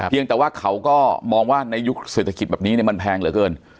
ยังแต่ว่าเขาก็มองว่าในยุคเศรษฐกิจแบบนี้มันแพงเหลือเกิน